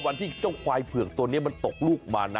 วันที่เจ้าควายเผือกตัวนี้มันตกลูกมานะ